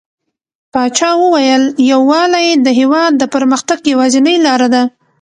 پاچا وويل: يووالى د هيواد د پرمختګ يوازينۍ لاره ده .